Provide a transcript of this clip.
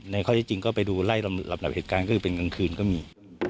ข้อที่จริงก็ไปดูไล่ลำดับเหตุการณ์ก็คือเป็นกลางคืนก็มี